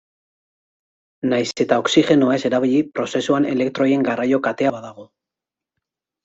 Nahiz eta oxigenoa ez erabili, prozesuan elektroien garraio katea badago.